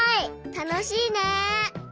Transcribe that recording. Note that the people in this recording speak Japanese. たのしいね！